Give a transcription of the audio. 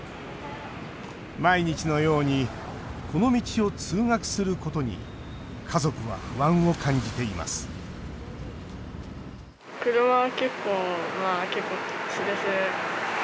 毎日のようにこの道を通学することに家族は不安を感じています